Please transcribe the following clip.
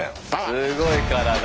すごい体。